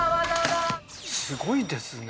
すごいですね。